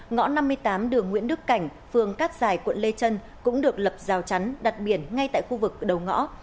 ngõ năm mươi tám đường nguyễn đức cảnh phường cát giải quận lê trân cũng được lập rào chắn đặt biển ngay tại khu vực đầu ngõ